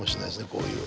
こういう。